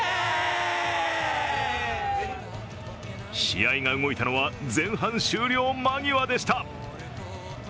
試合が動いたのは前半終了間際でした。